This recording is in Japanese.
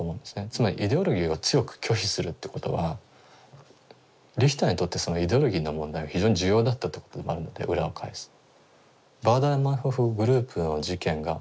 つまりイデオロギーを強く拒否するってことはリヒターにとってそのイデオロギーの問題は非常に重要だったってことでもあるので裏を返すと。